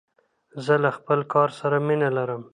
زه له خپل کار سره مینه لرم.